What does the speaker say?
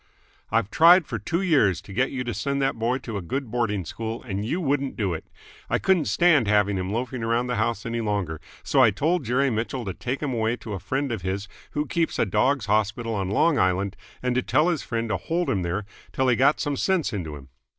"I've tried for two years to get you to send that boy to a good boarding school, and you wouldn't do it. I couldn't stand having him loafing around the house any longer, so I told Jerry Mitchell to take him away to a friend of his who keeps a dogs' hospital on Long Island and to tell his friend to hold him there till he got some sense into him.